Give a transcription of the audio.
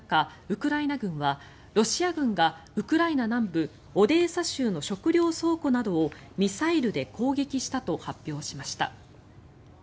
ウクライナ軍はロシア軍がウクライナ南部オデーサ州の食糧倉庫などをミサイルで攻撃したと発表しました。